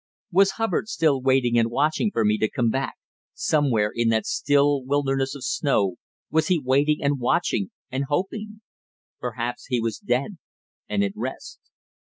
Was Hubbard still waiting and watching for me to come back? somewhere in that still wilderness of snow was he waiting and watching and hoping? Perhaps he was dead, and at rest.